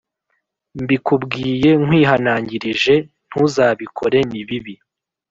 Mbikubwiye nkwihanangirije ntuzabikore ni bibi